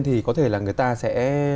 thì có thể là người ta sẽ